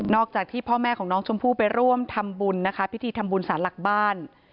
นอกจากที่พ่อแม่ของน้องชมพู่ไปร่วมพิธีทำบุญสารหลักบ้าน